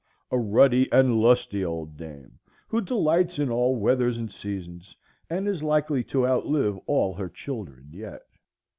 A ruddy and lusty old dame, who delights in all weathers and seasons, and is likely to outlive all her children yet.